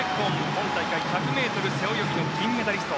今大会１００ｍ背泳ぎの銀メダリスト。